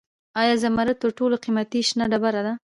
آیا زمرد تر ټولو قیمتي شنه ډبره ده؟